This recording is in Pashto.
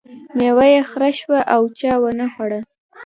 میوه یې خره شوه او چا ونه خوړه.